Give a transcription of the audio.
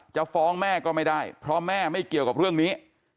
จะฟ้องแม่ก็ไม่ได้เพราะแม่ไม่เกี่ยวกับเรื่องนี้